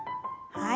はい。